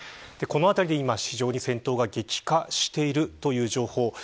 この辺りで今、非常に戦闘が激化しているという情報。